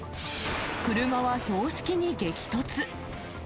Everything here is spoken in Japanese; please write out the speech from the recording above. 車は標識に激突。